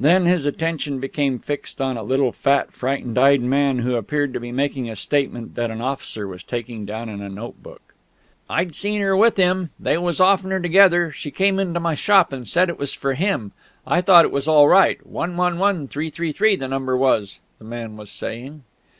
Then his attention became fixed on a little fat frightened eyed man who appeared to be making a statement that an officer was taking down in a notebook. "I'd seen her with him ... they was often together ... she came into my shop and said it was for him ... I thought it was all right ... 111333 the number was," the man was saying.